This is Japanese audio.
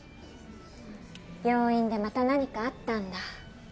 病院でまた何かあったんだ。